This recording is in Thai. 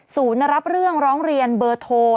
รับเรื่องร้องเรียนเบอร์โทร